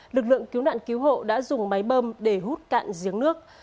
lực lượng cứu nạn cứu hộ đã dùng máy bơm để hút cạn giếng nước